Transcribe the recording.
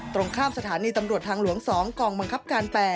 ตรงข้ามสถานีตำรวจทางหลวง๒กองบังคับการ๘